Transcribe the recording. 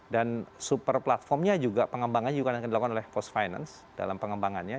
dan super platformnya juga pengembangannya juga akan dilakukan oleh postfinance dalam pengembangannya